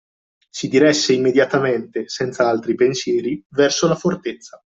Si diresse immediatamente, senza altri pensieri, verso la fortezza